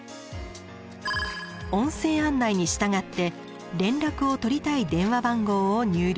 音声案内に従って連絡を取りたい電話番号を入力。